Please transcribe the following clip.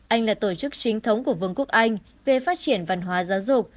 anh là tổ chức chính thống của vương quốc anh về phát triển văn hóa giáo dục